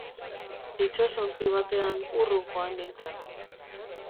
Itsasontzi batean urrun joan nintzen.